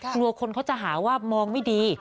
กลัวคนเขาจะหาว่ามองไม่ดี